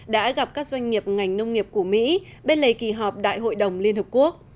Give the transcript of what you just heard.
đã gặp các doanh nghiệp ngành nông nghiệp của mỹ bên lề kỳ họp đại hội đồng liên hợp quốc